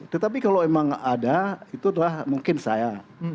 tetapi kalau memang ada itu telah mungkin saya